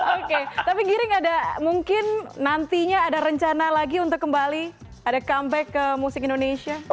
oke tapi giring ada mungkin nantinya ada rencana lagi untuk kembali ada comeback ke musik indonesia